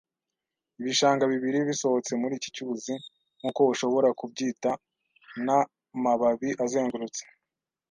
ibishanga bibiri, bisohotse muri iki cyuzi, nkuko ushobora kubyita; n'amababi azengurutse